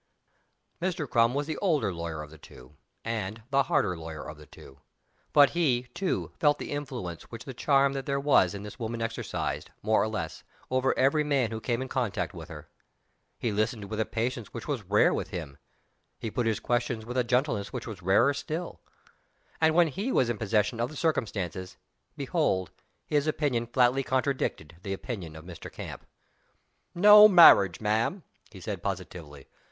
Mr. Crum was the older lawyer of the two, and the harder lawyer of the two; but he, too, felt the influence which the charm that there was in this woman exercised, more or less, over every man who came in contact with her. He listened with a patience which was rare with him: he put his questions with a gentleness which was rarer still; and when he was in possession of the circumstances behold, his opinion flatly contradicted the opinion of Mr. Camp! "No marriage, ma'am," he said, positively.